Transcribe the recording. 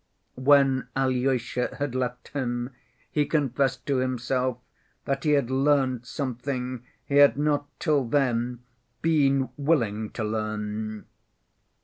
When Alyosha had left him, he confessed to himself that he had learnt something he had not till then been willing to learn.